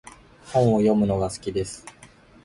本を読むのが好きです。